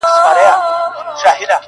هغه ځان بدل کړی دی ډېر